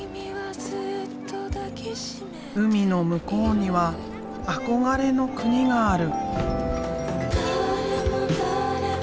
海の向こうには憧れの国がある。